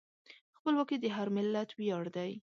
خپلواکي د هر ملت ویاړ دی.